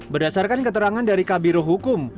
berdasarkan keterangan dari kabiro hukum